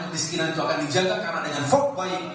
biskina itu akan dijaga karena ada yang vote baik